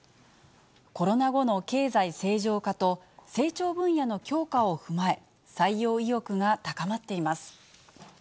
コロナ後の経済正常化と、成長分野の強化を踏まえ、採用意欲が高まっています。